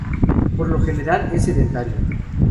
Por lo general es sedentario.